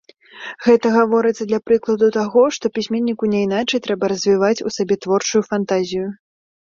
Гэта гаворыцца для прыкладу таго, што пісьменніку няйначай трэба развіваць у сабе творчую фантазію.